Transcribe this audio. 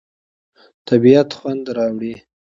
طبیعت خوند راوړي.